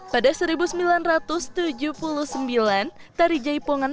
pada seribu sembilan ratus tujuh puluh sembilan tari jaipongan pertama kembali di jawa barat